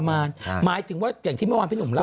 หมายถึงว่าอย่างที่เมื่อวานพี่หนุ่มเล่า